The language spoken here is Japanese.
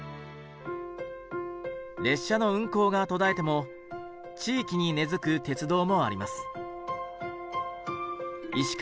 列車の運行が途絶えても地域に根づく鉄道もあります。